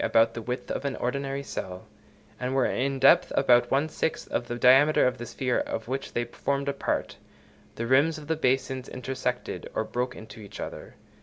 _ about the width of an ordinary cell), and were in depth about one sixth of the diameter of the sphere of which they formed a part, the rims of the basins intersected or broke into each other.